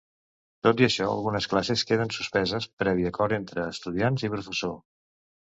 Tot i això, algunes classes queden suspeses, previ acord entre estudiants i professor.